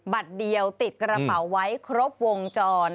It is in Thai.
บัตรเดียวติดกระเป๋าไว้ครบวงจร